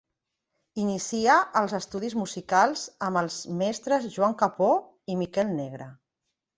Inicià els estudis musicals amb els mestres Joan Capó i Miquel Negre.